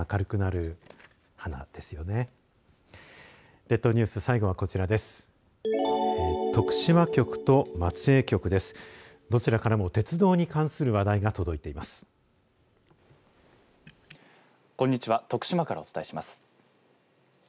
どちらからも鉄道に関する話題が届いています。